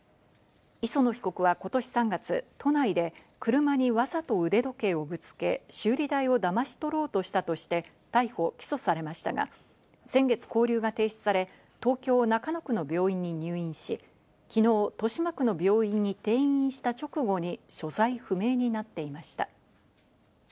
磯野被告は今年３月、都内で車に、わざと腕時計をぶつけ、修理代をだまし取ろうとしたとして、逮捕・起訴されましたが、先月、勾留が停止され、東京・中野区の病院に入院し、昨日、豊島区の病院に転院した直後に所在不明になっていました。